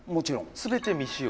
全て未使用」